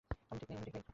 আমি ঠিক নেই।